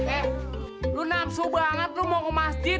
eh lo nafsu banget lo mau ke masjid